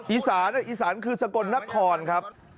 อีสานอีสานคือสกลนครครับ